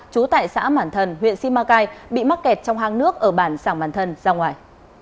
trú tại xã mản thần huyện simacai bị mắc kẹt trong hang nước ở bản xã mản thần ra ngoài